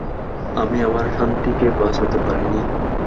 আমি আমার শান্তি কে বাঁচাতে পারিনি।